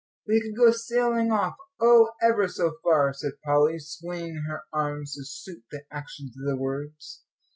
"We could go sailing off, oh, ever so far," said Polly, swinging her arms to suit the action to the words.